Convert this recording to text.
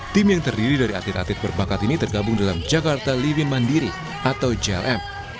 tim yang terdiri dari atlet atlet berbakat ini tergabung dalam jakarta living mandiri atau jlm